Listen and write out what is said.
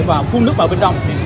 và phun nước vào bên trong